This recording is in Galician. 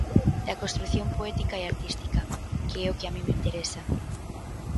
Da construción poética e artística, que é o que a min me interesa.